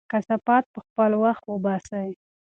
کثافات په خپل وخت وباسئ.